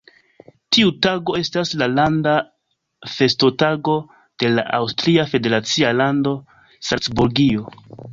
Tiu tago estas la landa festotago de la aŭstria federacia lando Salcburgio.